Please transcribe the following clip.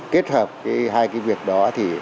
kết hợp hai cái việc đó